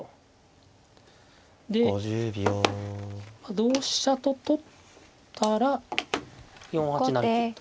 同飛車と取ったら４八成桂と。